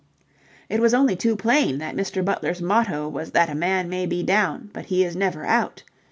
It was only too plain that Mr. Butler's motto was that a man may be down, but he is never out.